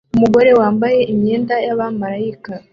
Umugore wambaye imyenda y'abamarayika